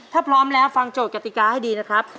ถ้าพร้อมแล้วฟังโจทย์กติกาให้ดีนะครับ